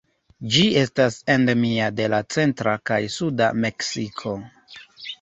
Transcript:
Ĝi estas endemia de la centra kaj suda Meksiko.